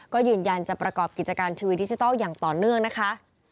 ก็ยืนยันจะประกอบกิจการทีวีดิจิทัลอย่างต่อเนื่องนะคะ